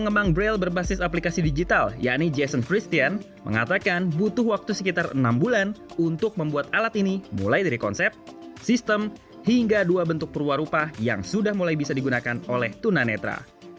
pengembang braille berbasis aplikasi digital yakni jason christian mengatakan butuh waktu sekitar enam bulan untuk membuat alat ini mulai dari konsep sistem hingga dua bentuk perwarupa yang sudah mulai bisa digunakan oleh tunanetra